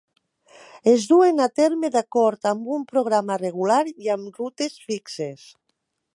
Es duen a terme d'acord amb un programa regular i amb rutes fixes.